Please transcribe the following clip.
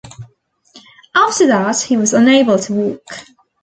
After that, he was unable to walk.